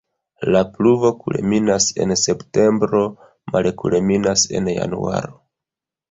La pluvo kulminas en septembro, malkulminas en januaro.